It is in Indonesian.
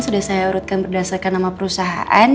sudah saya urutkan berdasarkan nama perusahaan